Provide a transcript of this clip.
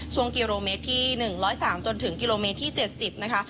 ช่วงกิโลเมตรที่๑๐๓จนถึงกิโลเมตรที่๗๐นะคะ